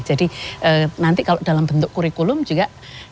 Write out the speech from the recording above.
jadi nanti kalau dalam bentuk kurikulum juga